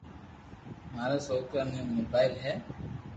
مارا سوڪرا ني موبائل ھي